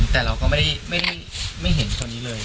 แต่เราก็ไม่เห็นคนนี้เลย